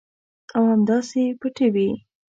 او همداسې پټې وي.